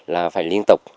là phải liên tục